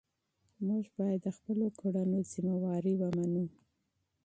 موږ باید د خپلو کړنو مسؤلیت ومنو.